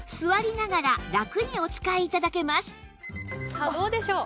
さあどうでしょう？